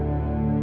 aku mau kemana